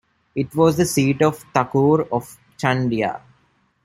It was the seat of Thakur of Chandia.